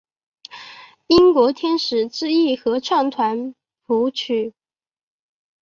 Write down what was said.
英国天使之翼合唱团谱曲。